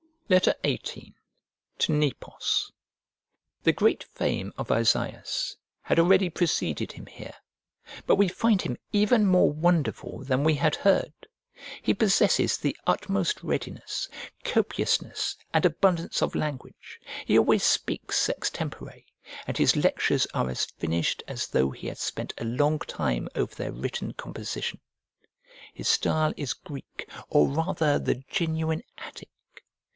XVIII To NEPOS THE great fame of Isaeus had already preceded him here; but we find him even more wonderful than we had heard. He possesses the utmost readiness, copiousness, and abundance of language: he always speaks extempore, and his lectures are as finished as though he had spent a long time over their written composition. His style is Greek, or rather the genuine Attic.